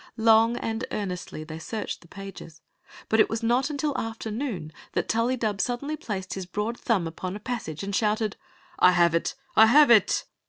Long and earnestly they searched the pages, but it was not until after noon that Tullydub sud denly placed his broad ^umb upon a passage and shouted : "I have it! I have it!"